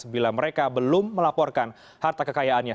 bila mereka belum melaporkan harta kekayaannya